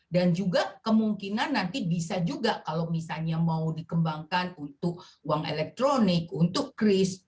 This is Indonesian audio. dan juga kemungkinan nanti bisa juga kalau misalnya mau dikembangkan untuk uang elektronik untuk kris